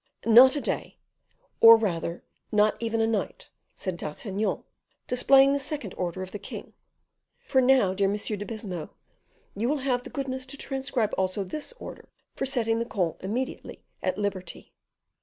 "Not a day, or rather not even a night," said D'Artagnan, displaying the second order of the king, "for now, dear M. de Baisemeaux, you will have the goodness to transcribe also this order for setting the comte immediately at liberty."